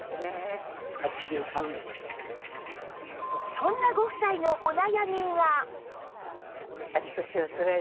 そんなご夫妻のお悩みが